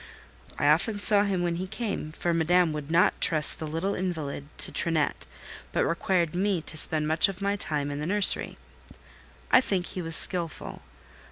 I often saw him when he came; for Madame would not trust the little invalid to Trinette, but required me to spend much of my time in the nursery. I think he was skilful.